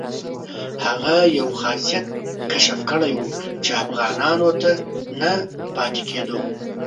هغه یو خاصیت کشف کړی وو چې افغانانو ته نه پاتې کېدو.